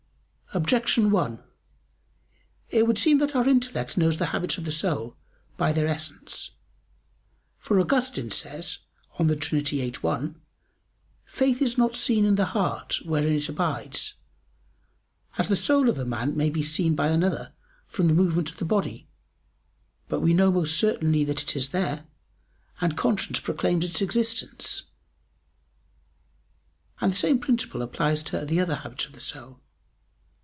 Objection 1: It would seem that our intellect knows the habits of the soul by their essence. For Augustine says (De Trin. xiii, 1): "Faith is not seen in the heart wherein it abides, as the soul of a man may be seen by another from the movement of the body; but we know most certainly that it is there, and conscience proclaims its existence"; and the same principle applies to the other habits of the soul.